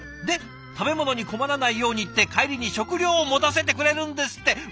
で食べ物に困らないようにって帰りに食料を持たせてくれるんですって。